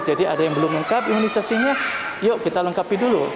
jadi ada yang belum lengkap imunisasinya yuk kita lengkapi dulu